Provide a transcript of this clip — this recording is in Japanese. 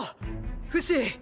フシ！！